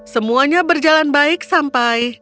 semuanya berjalan baik sampai